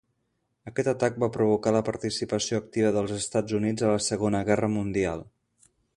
Aquest atac va provocar la participació activa dels Estats Units a la Segona Guerra Mundial.